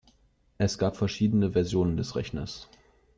Es gab verschiedene Versionen des Rechners.